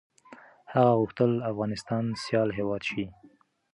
هغه غوښتل افغانستان سيال هېواد شي.